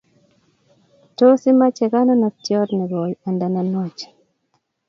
tos imache konunotyot nekoi nda nenwach?